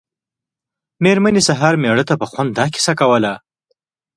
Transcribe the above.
مېرمنې سهار مېړه ته په خوند دا کیسه کوله.